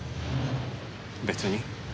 別に。